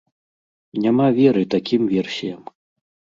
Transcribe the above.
Няма веры такім версіям.